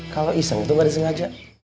kalau iseng itu gak disengaja